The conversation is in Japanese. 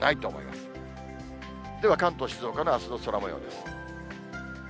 では、関東、静岡のあすの空もようです。